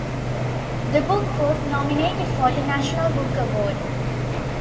The book was nominated for the National Book Award.